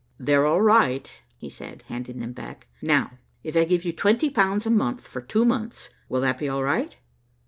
"They're all right," he said, handing them back. "Now, if I give you twenty pounds a month for two months, will that be all right?"